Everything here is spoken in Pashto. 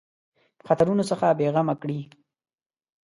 خطرونو څخه بېغمه کړي.